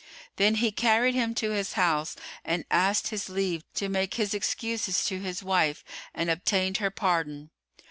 Then he carried him to his house and asked his leave to make his excuses to his wife and obtained her pardon.